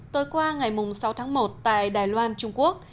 tối qua ngày sáu tháng một tại đài loan trung quốc